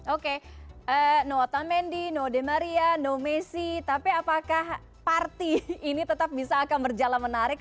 oke no otamendi no di maria no messi tapi apakah parti ini tetap bisa akan berjalan menarik